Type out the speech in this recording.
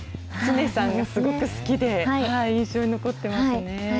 つねさんがすごく好きで、印象に残ってますね。